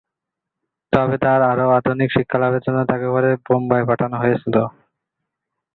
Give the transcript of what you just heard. তবে তাঁর আরও আধুনিক শিক্ষা লাভের জন্য তাঁকে পরে বোম্বাই পাঠানো হয়েছিল।